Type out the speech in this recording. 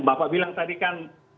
bapak bilang tadi kan